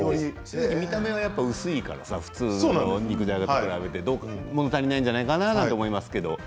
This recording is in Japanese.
見た目が薄いから普通の肉じゃがと比べてもの足りないんじゃないかなと思いますけど。